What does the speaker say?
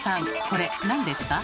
これなんですか？